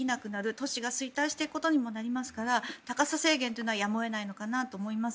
都市化が衰退していくことにもなりますから高さ制限というのはやむを得ないのかなと思います。